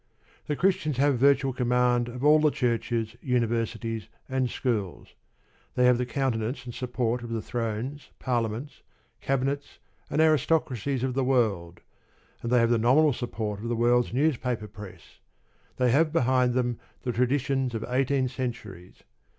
The Christians have virtual command of all the churches, universities, and schools. They have the countenance and support of the Thrones, Parliaments, Cabinets, and aristocracies of the world, and they have the nominal support of the World's Newspaper Press. They have behind them the traditions of eighteen centuries.